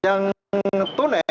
yang tunai rp enam puluh satu juta